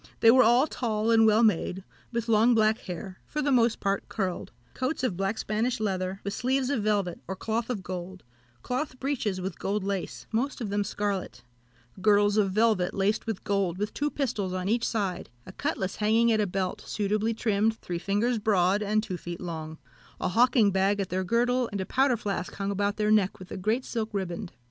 They were all tall and well made, with long black hair, for the most part curled; coats of black Spanish leather, with sleeves of velvet, or cloth of gold; cloth breeches with gold lace, most of them scarlet; girdles of velvet, laced with gold, with two pistols on each side; a cutlass hanging at a belt, suitably trimmed, three fingers broad and two feet long; a hawking bag at their girdle, and a powder flask hung about their neck with a great silk riband.